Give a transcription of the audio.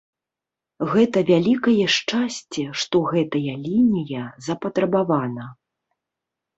Гэта вялікае шчасце, што гэтая лінія запатрабавана.